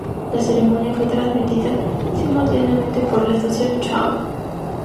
La ceremonia fue transmitida simultáneamente por la estación Chou!